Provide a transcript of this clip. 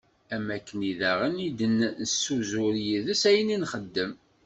Am wakken daɣen i d-nesuzur yis-s ayen nxeddem.